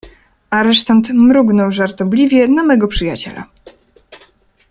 "Aresztant mrugnął żartobliwie na mego przyjaciela."